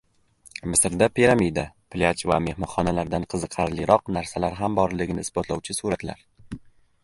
Misrda piramida, plyaj va mehmonxonalardan qiziqarliroq narsalar ham borligini isbotlovchi suratlar